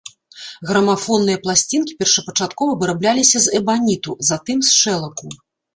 Грамафонныя пласцінкі першапачаткова вырабляліся з эбаніту, затым з шэлаку.